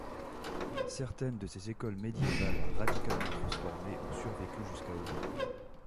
Certaines de ces écoles médiévales, radicalement transformées, ont survécu jusqu'aujourd'hui.